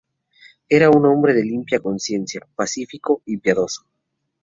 Era un hombre de limpia conciencia, pacífico y piadoso.